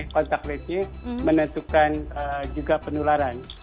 kontak ratenya menentukan juga penularan